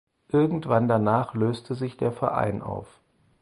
Irgendwann danach löste sich der Verein auf.